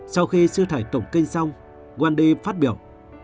sau khi sư thầy tổng kinh xong wendy phát biểu